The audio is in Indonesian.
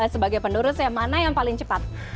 sebagai penerusnya mana yang paling cepat